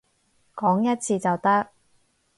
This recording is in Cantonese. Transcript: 講一次就得